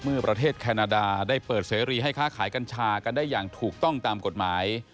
เมื่อประเทศแคนาดาได้เปิดเสรีให้ค้าขายกัญชากันได้อย่างถูกต้องตามกฎหมาย